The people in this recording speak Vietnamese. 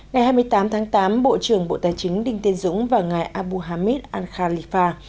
ngày hai mươi tám tháng tám bộ trưởng bộ tài chính đinh tên dũng và ngài abu hamid al khalifa